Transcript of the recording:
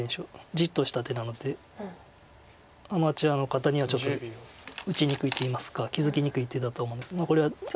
じっとした手なのでアマチュアの方にはちょっと打ちにくいっていいますか気付きにくい手だと思うんです。